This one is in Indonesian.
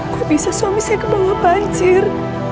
kok bisa suami saya kebawa banjir